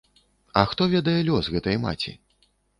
А хто ведае лёс гэтай маці?